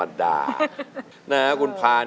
แหละคุณภาพแหละคุณภาพ